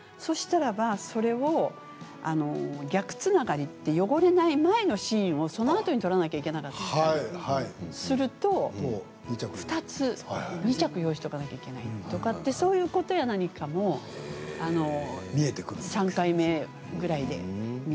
それを逆つながりって汚れない前のシーンをそのあとに撮らなきゃいけなかったりすると２つ、２着用意しとかなきゃいけないとかってそういうことや何かも３回目ぐらいで見えてきます。